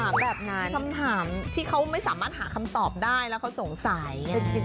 เป็นความน่ารักน่าเอ็งดูของเด็ก